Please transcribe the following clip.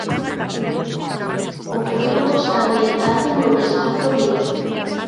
O prólogo está ambientado nun espazo mítico.